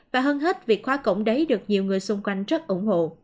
và hơn hết việc khóa cổng đấy được nhiều người xung quanh rất ủng hộ